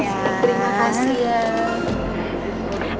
terima kasih ya